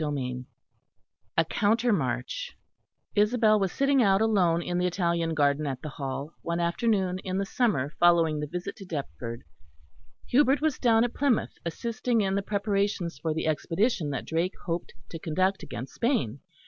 CHAPTER IV A COUNTER MARCH Isabel was sitting out alone in the Italian garden at the Hall, one afternoon in the summer following the visit to Deptford. Hubert was down at Plymouth, assisting in the preparations for the expedition that Drake hoped to conduct against Spain.